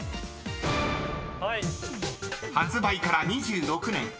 ［発売から２６年］